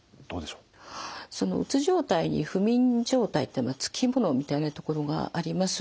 うつ状態に不眠状態ってつきものみたいなところがあります。